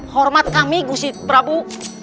hormat kami gusit prabu